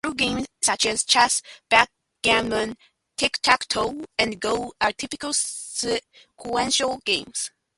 True games such as chess, backgammon, tic-tac-toe and Go are typical sequential games.